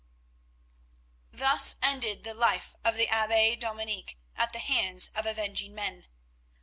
Thus ended the life of the Abbe Dominic at the hands of avenging men.